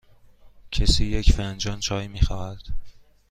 کسی یک فنجان چای می خواهد؟